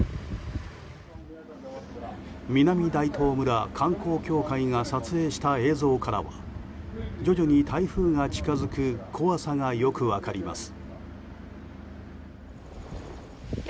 南大東村観光協会が撮影した映像からは徐々に台風が近づく怖さがよく分かります。